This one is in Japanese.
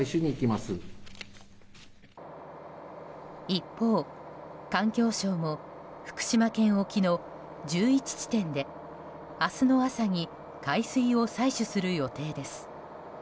一方、環境省も福島県沖の１１地点で明日の朝に海水を採取する予定です。